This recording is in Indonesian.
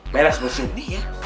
beres bos ini ya